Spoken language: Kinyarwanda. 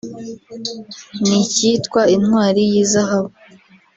n’ikitwa “Intwari y’Izahabu